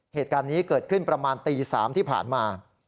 เหตุการณ์นี้เกิดขึ้นประมาณตี๓ที่ผ่านมา